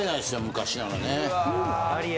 昔ならね。